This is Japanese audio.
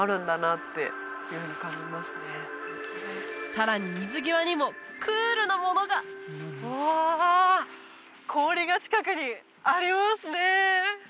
さらに水際にもクールなものがうわ氷が近くにありますね